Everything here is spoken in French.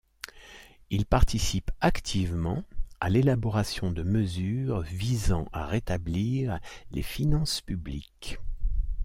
Il participe activement à l'élaboration de mesures visant à rétablir les finances publiques.